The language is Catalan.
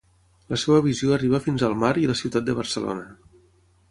La seva visió arriba fins al mar i la ciutat de Barcelona.